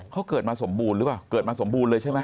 เขาเกิดมาสมบูรณ์หรือเปล่าเกิดมาสมบูรณ์เลยใช่ไหม